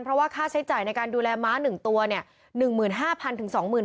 เพราะว่าค่าใช้จ่ายในการดูแลม้า๑ตัวเนี่ย